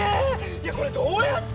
いやこれどうやって？